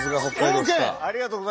ＯＫ！